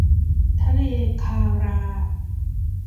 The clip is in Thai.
ทะเลคารา